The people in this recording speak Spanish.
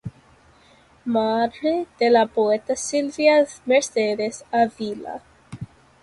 Madre de la poeta Silvia Mercedes Ávila.